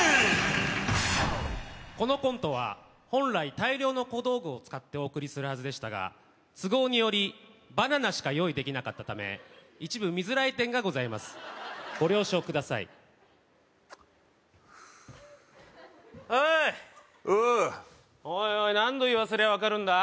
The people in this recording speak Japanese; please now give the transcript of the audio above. このコントは本来大量の小道具を使ってお送りするはずでしたが都合によりバナナしか用意できなかったため一部見づらい点がございますご了承くださいふうおいおおおいおい何度言わせりゃ分かるんだ